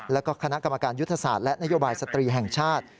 แล้วก็คณะกรรมการยุทธศาสตร์และนโยบายสตรีแห่งชาติ